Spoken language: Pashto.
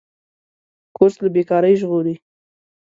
کورس له بېکارۍ ژغوري.